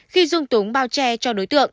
khi dung túng bao che cho đối tượng